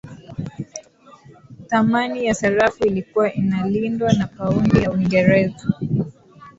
thamani ya sarafu ilikuwa inalindwa na paundi ya uingereza